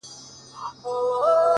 دا څو وجوده ولې په يوه روح کي راگير دي!